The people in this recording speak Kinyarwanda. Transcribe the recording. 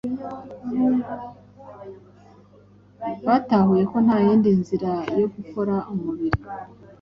batahuye ko nta yindi nzira yo gukora umubiri